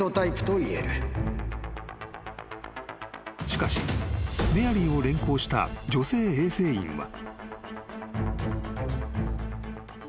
［しかしメアリーを連行した女性衛生員は］